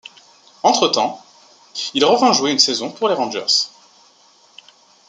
Entre-temps, il revint jouer une saison pour les Rangers.